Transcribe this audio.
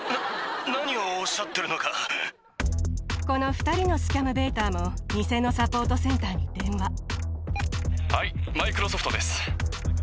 この２人のスキャムベイターも偽のサポートセンターに電話。